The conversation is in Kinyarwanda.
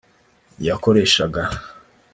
yakoreshaga